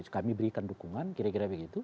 kami berikan dukungan kira kira begitu